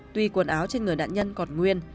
tuy quần áo trên người nạn nhân còn nguyên